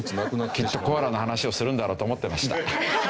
きっとコアラの話をするんだろうと思ってました。